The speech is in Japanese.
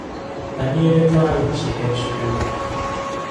ダニエル・カーリン氏編集。